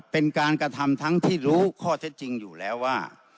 เป็นการกระทำทั้งที่รู้ข้อเท็จจริงอยู่แล้วว่า